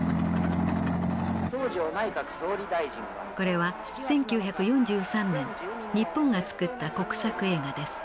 これは１９４３年日本が作った国策映画です。